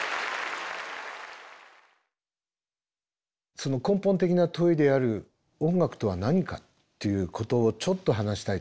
その根本的な問いである音楽とは何かっていうことをちょっと話したいと思います。